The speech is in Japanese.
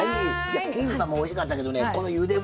キンパもおいしかったけどね